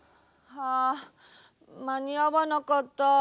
はあまにあわなかった。